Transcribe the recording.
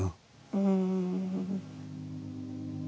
うん。